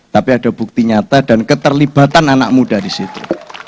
tapi ada bukti nyata dan keterlibatan anak muda disitu